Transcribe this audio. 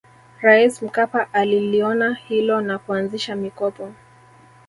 rais mkpa aliliona hilo na kuanzisha mikopo